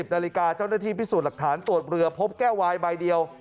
นาฬิกาเจ้าหน้าที่พิสูจน์หลักฐานตรวจเรือพบแก้ววายใบเดียว